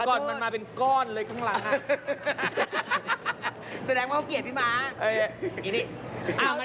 คันนี้มาเป็นก้นเลยข้างหลังอ่ะ